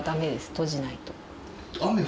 閉じないと。